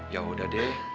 ya udah deh